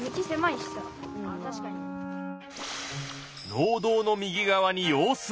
農道の右側に用水路が！